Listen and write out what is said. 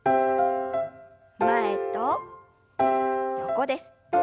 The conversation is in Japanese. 前と横です。